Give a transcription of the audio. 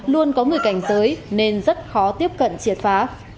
luôn có người cảnh giới nên rất khó tiếp cận triệt phá